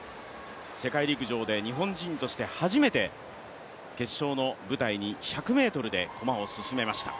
世界陸上で日本人として初めて決勝の舞台に１００ｍで駒を進めました。